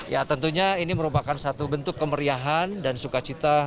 ya tentunya ini merupakan satu bentuk kemeriahan dan sukacita